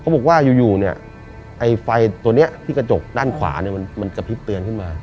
บอกว่าอยู่เนี่ยไอ้ไฟตัวนี้ที่กระจกด้านขวาเนี่ยมันกระพริบเตือนขึ้นมา